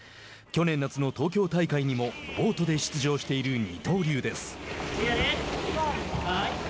去年夏の東京大会にもボートで出場している二刀流です。